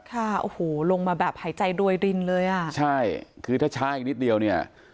ค่ะโอ้โหลงมาแบบหายใจรวยรินเลยอ่ะใช่คือถ้าช้าอีกนิดเดียวเนี่ย